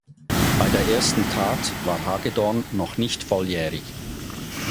Bei der ersten Tat war Hagedorn noch nicht volljährig.